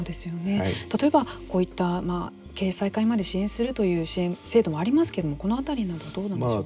例えば、こういった経営再開まで支援するという支援制度もありますけどもこの辺りなどどうなんでしょう。